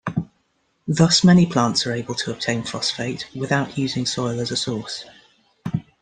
Thus many plants are able to obtain phosphate, without using soil as a source.